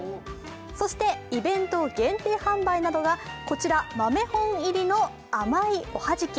そしてイベント限定販売なのがこちら、豆本入りのあまいおはじき。